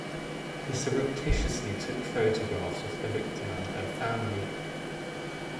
He surreptitiously took photographs of the victim and her family.